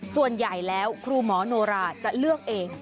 ส่วนใหญ่แล้วครูหมอโนราจะเลือกเอง